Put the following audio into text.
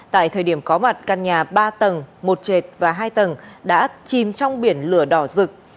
tại thời điểm có mặt căn nhà ba tầng một trệt và hai tầng đã chìm trong biển lửa đỏ rực